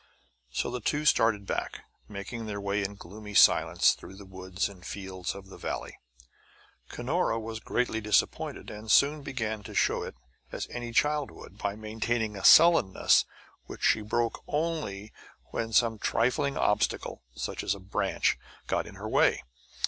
So the two started back, making their way in gloomy silence through the woods and fields of the valley. Cunora was greatly disappointed, and soon began to show it as any child would, by maintaining a sullenness which she broke only when some trifling obstacle, such as a branch, got in her way.